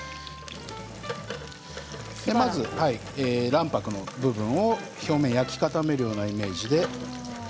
卵白の部分を、焼き固めるようなイメージで。